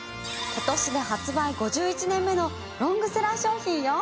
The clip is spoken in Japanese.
今年で発売５１年目のロングセラー商品よ！